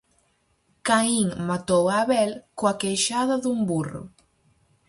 Caín matou a Abel coa queixada dun burro.